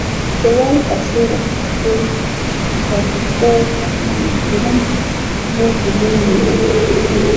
Tewali kaseera ka kukweeka mwana, era ne kisalawo okumumira.